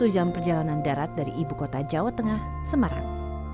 satu jam perjalanan darat dari ibukota jawa tengah semarang